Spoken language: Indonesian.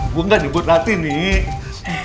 gue gak nyebut latih nih